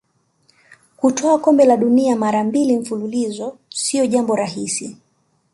kutwaa kombe la dunia mara mbili mfululizo sio jambo rahisi